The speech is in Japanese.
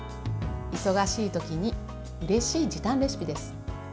忙しい時にうれしい時短レシピです。